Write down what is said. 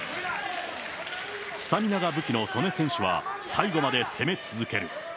スタミナが武器の素根選手は、最後まで攻め続ける。